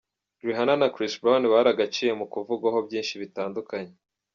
Rihanna na Chris Brown baragaciye mu kuvugwaho byinshi bitandukanye.